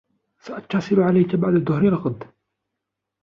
سأتصل عليك بعد ظهر الغد.